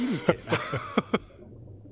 ハハハハッ。